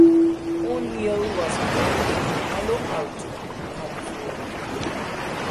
O'Neal was born in Palo Alto, California.